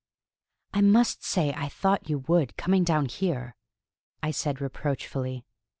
"I must say I thought you would, coming down here," I said reproachfully.